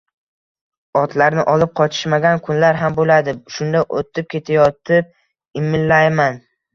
Otlarni olib chiqishmagan kunlar ham bo`ladi, shunda o`tib ketayotib, imillayman